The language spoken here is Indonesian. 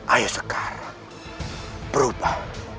ayo sekarang perubah